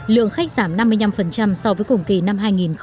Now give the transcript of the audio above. lượng khách giảm năm mươi năm so với cùng kỳ năm hai nghìn một mươi chín